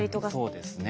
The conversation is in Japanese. そうですね。